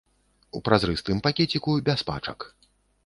У празрыстым пакеціку, без пачак.